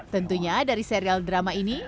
tentunya dari serial drama ini